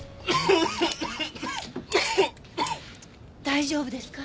大丈夫ですか？